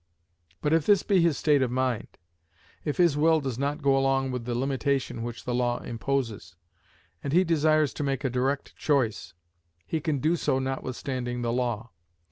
But if this be his state of mind; if his will does not go along with the limitation which the law imposes, and he desires to make a direct choice, he can do so notwithstanding the law.